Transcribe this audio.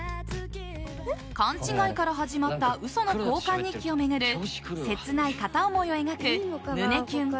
勘違いから始まった嘘の交換日記を巡る切ない片思いを描く胸キュン×